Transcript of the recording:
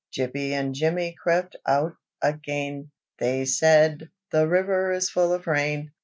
2. Jippy and Jimmy crept out again, They said, "the river is full of rain!"